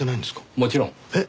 もちろん。えっ？